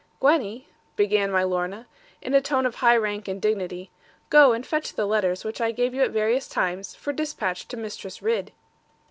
'Gwenny,' began my Lorna, in a tone of high rank and dignity, 'go and fetch the letters which I gave you at various times for despatch to Mistress Ridd.'